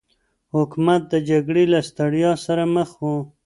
حکومت د جګړې له ستړيا سره مخ و.